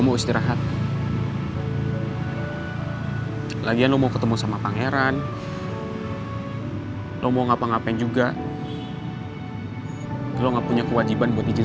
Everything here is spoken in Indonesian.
makasih ya pak udah nganterin